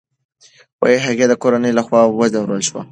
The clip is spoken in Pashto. هغې د کورنۍ له خوا وځورول شوه.